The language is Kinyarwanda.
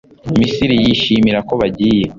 Misiri yishimira ko bagiye